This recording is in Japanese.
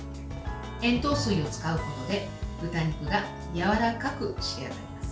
塩糖水を使うことで豚肉がやわらかく仕上がります。